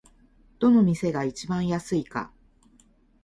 どの店が一番安いか